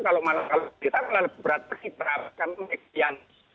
kalau kita berat beratkan